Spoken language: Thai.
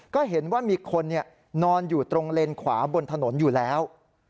ก็เห็นว่ามีคนนอนอยู่ตรงเลนขวาบนถนนอยู่แล้ว